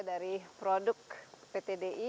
dari produk pt di